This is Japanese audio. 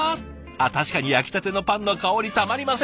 確かに焼きたてのパンの香りたまりませんよね！